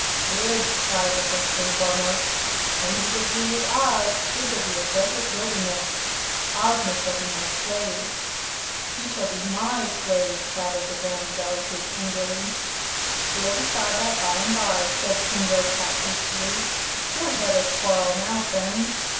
"Good!" cried the First and Foremost. "When we get through with Oz it will be a desert wilderness. Ozma shall be my slave." "She shall be MY slave!" shouted the Grand Gallipoot, angrily. "We'll decide that by and by," said King Roquat hastily. "Don't let us quarrel now, friends.